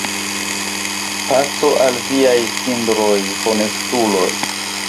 Paco al viaj cindroj, honestuloj!